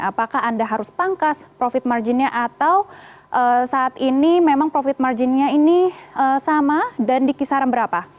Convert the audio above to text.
apakah anda harus pangkas profit marginnya atau saat ini memang profit marginnya ini sama dan di kisaran berapa